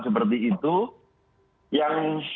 seperti itu yang